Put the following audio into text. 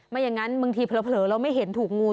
ไม่อย่างนั้นบางทีเผลอเราไม่เห็นถูกงู